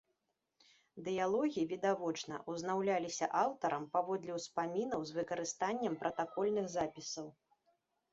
Дыялогі, відавочна, узнаўляліся аўтарам паводле ўспамінаў з выкарыстаннем пратакольных запісаў.